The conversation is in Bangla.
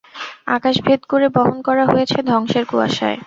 আকাশ ভেদ করে বহন করা হয়েছে ধ্বংসের কুয়াশায়!